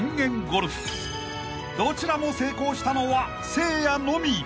［どちらも成功したのはせいやのみ］